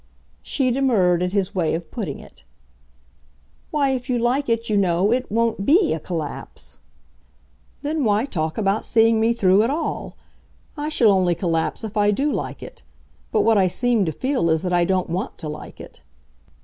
She demurred at his way of putting it. "Why, if you like it, you know, it won't BE a collapse." "Then why talk about seeing me through at all? I shall only collapse if I do like it. But what I seem to feel is that I don't WANT to like it.